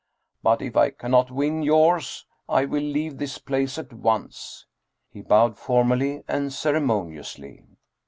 But if I cannot win yours, I will leave this place at once." He bowed for mally and ceremoniously.